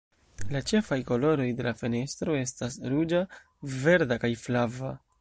La ĉefaj koloroj de la fenestro estas ruĝa, verda kaj flava.